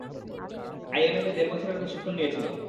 IMA তে দেড় বছরের প্রশিক্ষণের নিয়েছিল।